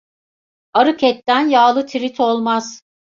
Arık etten yağlı tirit olmaz.